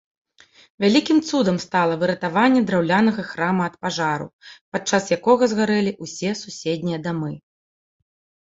Вялікім цудам стала выратаванне драўлянага храма ад пажару, падчас якога згарэлі ўсе суседнія дамы.